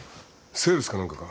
セールスか何かか？